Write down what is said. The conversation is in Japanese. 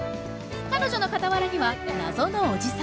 彼女の傍らには謎のおじさん。